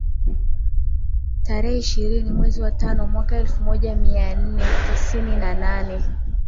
Tarehe ishirini mwezi wa tano mwaka elfu moja mia nne tisini na nane